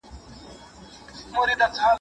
مرګ ما ته اوس ګواښ نه ښکاري.